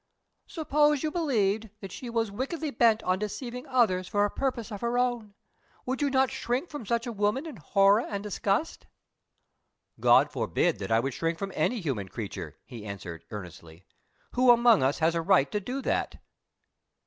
"Suppose you believed that she was wickedly bent on deceiving others for a purpose of her own would you not shrink from such a woman in horror and disgust?" "God forbid that I should shrink from any human creature!" he answered, earnestly. "Who among us has a right to do that?"